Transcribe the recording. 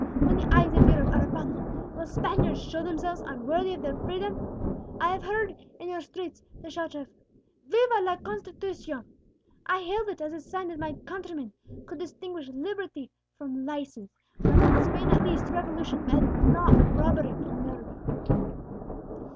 When the eyes of Europe are upon them, will Spaniards show themselves unworthy of their freedom? I have heard in your streets the shout of 'Viva la Constitucion!' I hailed it as a sign that my countrymen could distinguish liberty from license, and that in Spain at least revolution meant not robbery and murder!"